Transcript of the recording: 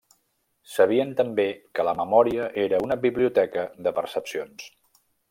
Sabien també que la memòria era una biblioteca de percepcions.